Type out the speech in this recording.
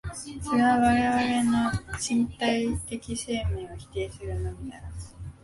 それは我々の身体的生命を否定するのみならず、